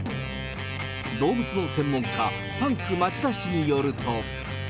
動物の専門家、パンク町田氏によると。